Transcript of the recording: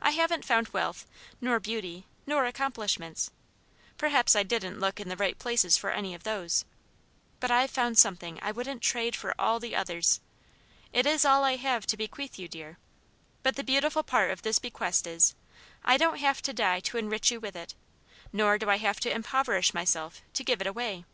I haven't found wealth, nor beauty, nor accomplishments perhaps I didn't look in the right places for any of those but I've found something I wouldn't trade for all the others. It is all I have to bequeath you, dear. But the beautiful part of this bequest is, I don't have to die to enrich you with it, nor do I have to impoverish myself to give it away.